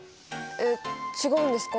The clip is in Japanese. え違うんですか？